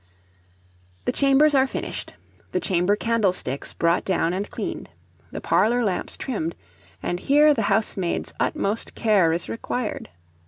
The chambers are finished, the chamber candlesticks brought down and cleaned, the parlour lamps trimmed; and here the housemaid's utmost care is required.